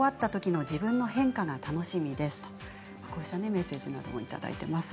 メッセージもいただいています。